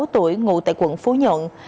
hai mươi sáu tuổi ngủ tại quận phú nhận